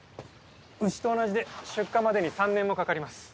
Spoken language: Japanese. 牛と同じで出荷までに３年もかかります。